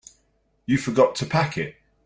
You forgot to pack it.